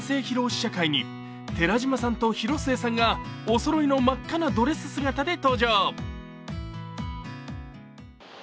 試写会に寺島さんと広末さんがおそろいの真っ赤なドレス姿で登場。